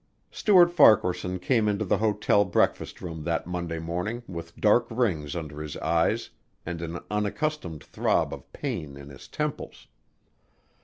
Stuart Farquaharson came into the hotel breakfast room that Monday morning with dark rings under his eyes and an unaccustomed throb of pain in his temples.